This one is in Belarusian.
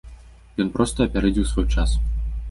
Ён проста апярэдзіў свой час.